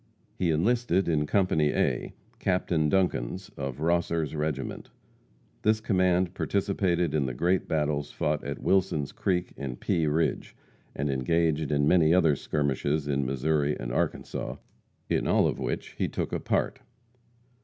He enlisted in company A, Captain Duncan's, of Rosser's regiment. This command participated in the great battles fought at Wilson's Creek and Pea Ridge, and engaged in many other skirmishes in Missouri and Arkansas, in all of which he took a part.